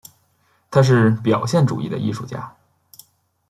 他是表现主义的艺术家。